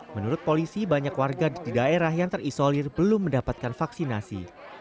menurut polisi banyak warga di daerah yang terisolir belum mendapatkan vaksinasi